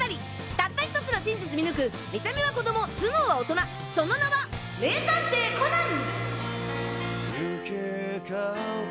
たった１つの真実見抜く見た目は子供頭脳は大人その名は名探偵コナン！